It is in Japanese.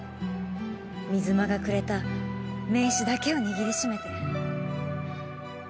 水間がくれた名刺だけを握り締めて。